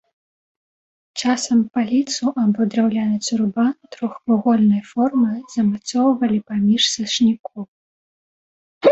Часам паліцу або драўляны цурбан трохвугольнай формы замацоўвалі паміж сашнікоў.